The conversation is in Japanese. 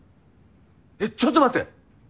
えっちょっと待って！